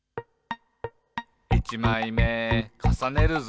「いちまいめかさねるぞ！」